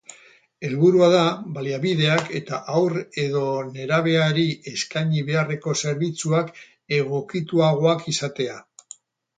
Helburua da, baliabideak eta haur edo nerabeari eskaini beharreko zerbitzuak egokituagoak izatea.